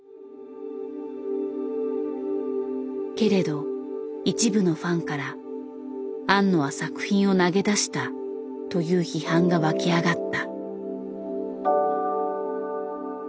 けれど一部のファンから「庵野は作品を投げ出した」という批判がわき上がった。